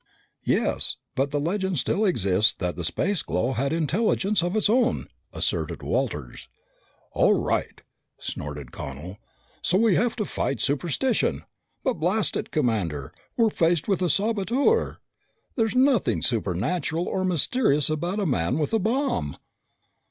"Yes, but the legend still exists that the Spaceglow had intelligence of its own!" asserted Walters. "All right," snorted Connel. "So we have to fight superstition! But, blast it, Commander, we're faced with a saboteur. There's nothing supernatural or mysterious about a man with a bomb!"